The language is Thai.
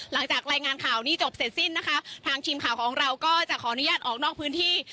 หลังจากรายงานข่าวนี้จบเสร็จสิ้นนะคะทางทีมข่าวของเราก็จะขออนุญาตออกนอกพื้นที่